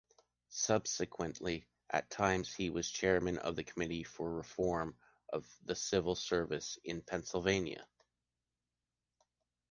Subsequently, at times he was chairman of the committee for reforms of the civil service in Pennsylvania.